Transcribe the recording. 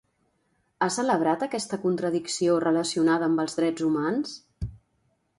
Ha celebrat aquesta contradicció relacionada amb els drets humans?